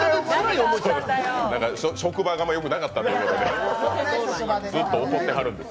なんか、職場があまり良くなかったということでずっと怒ってはるんです。